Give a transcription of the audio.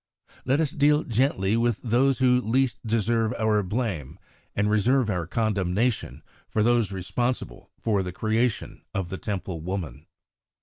Let us deal gently with those who least deserve our blame, and reserve our condemnation for those responsible for the creation of the Temple woman.